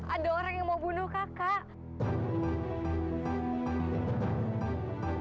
ada orang yang mau bunuh kakak